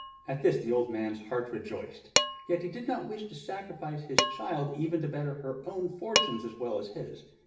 At this the old man's heart rejoiced, yet he did not wish to sacrifice his child even to better her own fortunes as well as his.